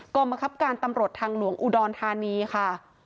กรรมคับการตำรวจทางหลวงอุดรธานีค่ะ